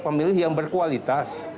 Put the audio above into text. pemilih yang berkualitas